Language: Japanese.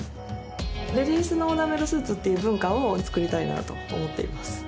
レディースのオーダーメイドスーツっていう文化を作りたいなと思っています